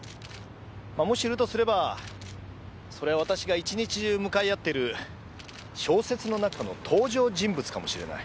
もしいるとすればそれは私が１日中向かい合っている小説の中の登場人物かもしれない。